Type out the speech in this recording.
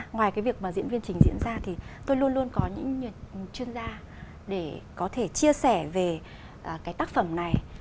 ngoài cái việc mà diễn viên chính diễn ra thì tôi luôn luôn có những chuyên gia để có thể chia sẻ về cái tác phẩm này